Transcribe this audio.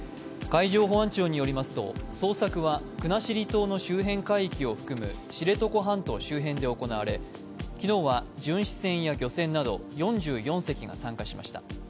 海上保安庁によりますと捜索は国後島の周辺海域を含む知床半島周辺で行われ昨日は巡視船や漁船など４４隻が参加しました。